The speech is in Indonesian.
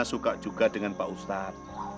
suka juga dengan pak ustadz